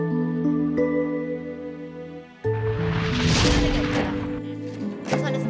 terus ada seput